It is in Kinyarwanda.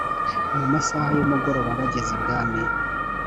mumasaha yumugoroba bageze ibwami